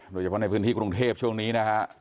โดยเฉพาะในพื้นที่กรุงเทพช่วงนี้นะฮะ